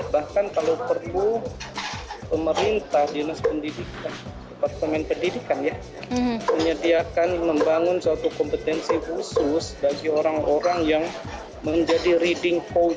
bahkan kalau perpu pemerintah dinas pendidikan departemen pendidikan ya menyediakan membangun suatu kompetensi khusus bagi orang orang yang menjadi reading code